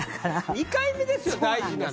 ２回目ですよ大事なのは。